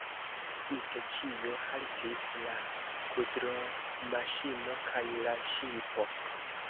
Subite ĉio haltis: la kudromaŝino kaj la ŝipo.